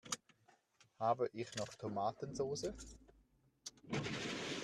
Habe ich noch Tomatensoße?